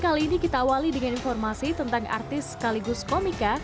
kali ini kita awali dengan informasi tentang artis sekaligus komika